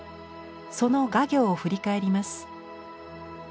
その画業を振り返ります。